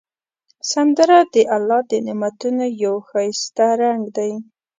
سندره د الله د نعمتونو یو ښایسته رنگ دی